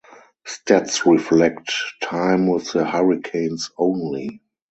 Stats reflect time with the Hurricanes only.